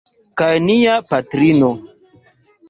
Kaj nia patrino!